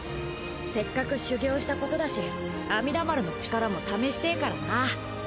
せっかく修行したことだし阿弥陀丸の力も試してぇからな。